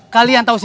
kalian tahu sisi